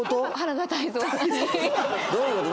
どういう事？